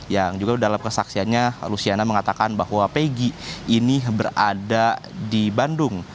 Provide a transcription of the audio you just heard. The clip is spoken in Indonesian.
yang juga dalam kesaksiannya luciana mengatakan bahwa peggy ini berada di bandung